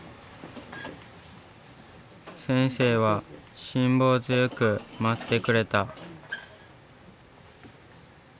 先生は辛抱強く待ってくれた。